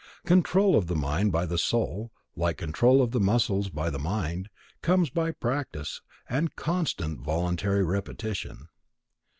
Control of the mind by the Soul, like control of the muscles by the mind, comes by practice, and constant voluntary repetition.